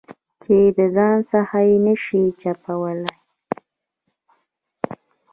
چې د ځان څخه یې نه شې چپولای.